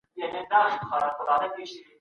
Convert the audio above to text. ټولنه تل د پرمختګ په حال کي ده.